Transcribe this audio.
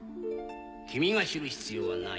君が知る必要はない。